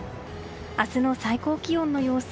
明日の最高気温の様子